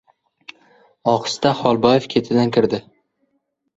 Ohista Xolboyev ketidan kirdi.